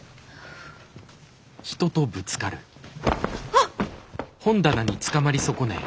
あっ！